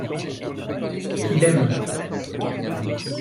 Qu’il aime.